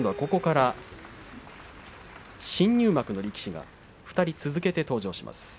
ここから新入幕の力士２人続けて登場します。